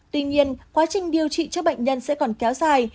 tuy nhiên quá trình điều trị cho bệnh nhân sẽ còn kéo dài